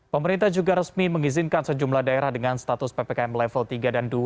pemerintah juga resmi mengizinkan sejumlah daerah dengan status ppkm level tiga dan dua